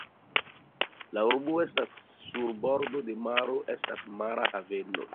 La urbo estas sur bordo de maro, estas mara haveno.